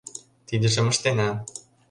Тидыжым ыштена...